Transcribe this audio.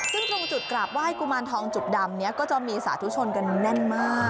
ซึ่งตรงจุดกราบไหว้กุมารทองจุดดำนี้ก็จะมีสาธุชนกันแน่นมาก